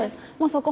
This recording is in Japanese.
そこ